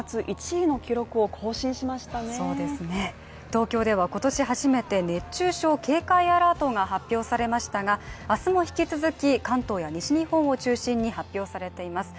東京では今年初めて、熱中症警戒アラートが発表されましたが明日も引き続き、関東や西日本を中心に発表されています。